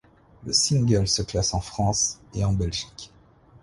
Le single se classe en France et en Belgique.